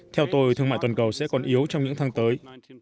theo tôi thương mại toàn cầu sẽ còn yếu trong những tháng tới